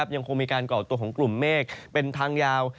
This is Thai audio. ยังคงมีการก่อตัวของกลุ่มเมฆเป็นทางยาว